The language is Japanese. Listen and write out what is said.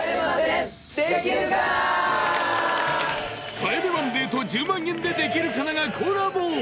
『帰れマンデー』と『１０万円でできるかな』がコラボ！